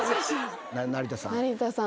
成田さん。